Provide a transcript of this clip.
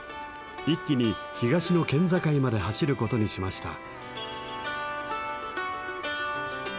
一気に東の県境まで走ることにしました。